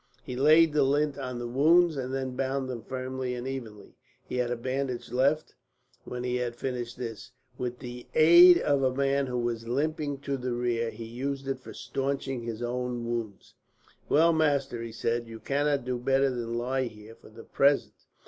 He laid the lint on the wounds, and then bound them firmly and evenly. He had a bandage left, when he had finished this. With the aid of a man who was limping to the rear, he used it for stanching his own wounds. "Well, master," he said, "you cannot do better than lie here, for the present.